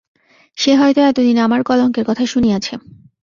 সে হয়তো এতদিনে আমার কলঙ্কের কথা শুনিয়াছে।